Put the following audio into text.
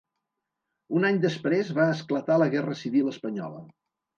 Un any després va esclatar la guerra civil espanyola.